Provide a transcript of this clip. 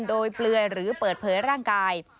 โดยเปลือยหรือเปิดเผยร่างกาย